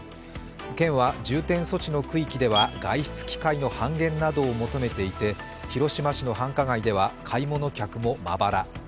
県は重点措置の区域では外出機会の半減などを求めていて広島市の繁華街では買い物客もまばら。